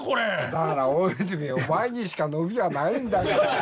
だから大泉お前にしか伸びはないんだから。